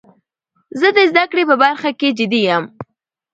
زه د زده کړي په برخه کښي جدي یم.